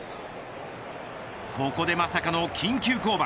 ここでまさかの緊急降板。